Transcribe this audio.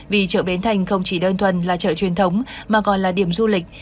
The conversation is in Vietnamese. vì chợ bến thành không chỉ đơn thuần là chợ truyền thống mà còn là điểm du lịch